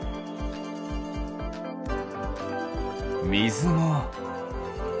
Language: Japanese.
みずも。